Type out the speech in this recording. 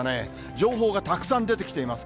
情報がたくさん出てきています。